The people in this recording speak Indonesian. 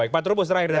pak turbus terakhir